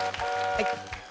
はい。